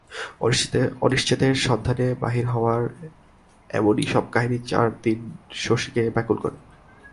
অনিশ্চিতের সন্ধানে বাহির হওয়ার এমনি সব কাহিনী চিরদিন শশীকে ব্যাকুল করে।